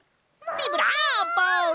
ビブラーボ！